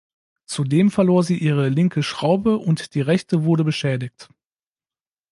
Zudem verlor sie ihre linke Schraube und die rechte wurde beschädigt.